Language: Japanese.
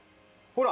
ほら！